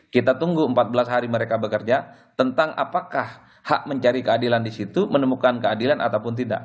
kita tunggu empat belas hari mereka bekerja tentang apakah hak mencari keadilan di situ menemukan keadilan ataupun tidak